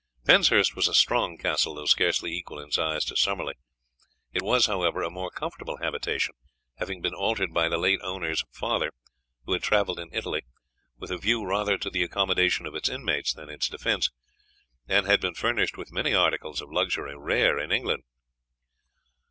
Penshurst was a strong castle, though scarcely equal in size to Summerley; it was, however, a more comfortable habitation, having been altered by the late owner's father, who had travelled in Italy, with a view rather to the accommodation of its inmates than its defence, and had been furnished with many articles of luxury rare in England.